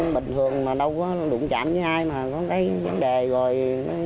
bình thường mà đâu có đụng chạm với ai mà có cái vấn đề rồi